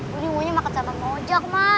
gue nih maunya makan sama mojak mbak